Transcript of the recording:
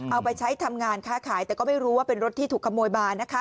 เอาไปใช้ทำงานค้าขายแต่ก็ไม่รู้ว่าเป็นรถที่ถูกขโมยมานะคะ